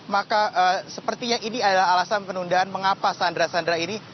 maka sepertinya ini adalah alasan penundaan mengapa sandra sandra ini